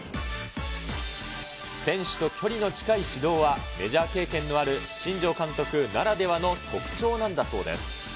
選手と距離の近い指導は、メジャー経験のある新庄監督ならではの特徴なんだそうです。